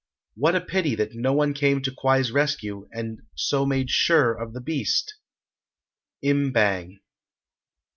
What a pity that no one came to Kwai's rescue and so made sure of the beast! Im Bang.